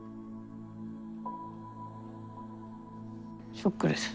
ショックです。